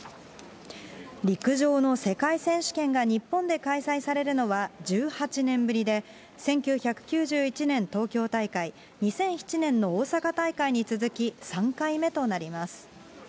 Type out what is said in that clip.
陸上の世界選手権が日本で開催されるのは１８年ぶりで、１９９１年東京大会、２００７年の大阪大会に続き、３回目となります。